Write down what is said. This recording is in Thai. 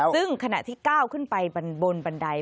ซึ่งขณะที่ก้าวขึ้นไปบนบันได